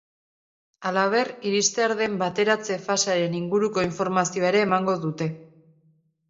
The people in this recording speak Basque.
Halaber, iristear den bateratze fasearen inguruko informazioa ere emango dute.